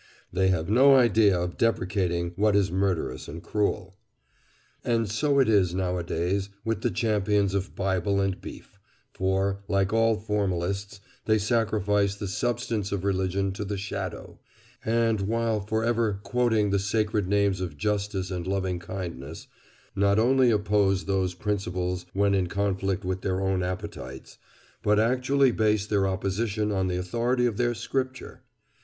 They have no idea of deprecating what is murderous and cruel." Footnote 50: Plutarch, "On Flesh Eating," quoted in "The Ethics of Diet," by Howard Williams. And so is it nowadays with the champions of Bible and Beef, for, like all formalists, they sacrifice the substance of religion to the shadow, and while for ever quoting the sacred names of justice and loving kindness, not only oppose those principles when in conflict with their own appetites, but actually base their opposition on the authority of their "scripture."